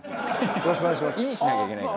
よろしくお願いします！